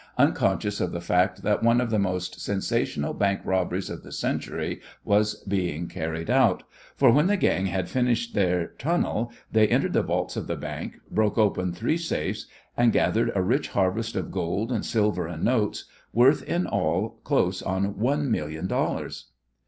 unconscious of the fact that one of the most sensational bank robberies of the century was being carried out, for when the gang had finished their tunnel they entered the vaults of the bank, broke open three safes, and gathered a rich harvest of gold and silver and notes, worth in all close on one million dollars.